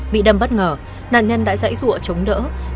bị đâm bất ngờ nạn nhân đã dãy rụa chống đỡ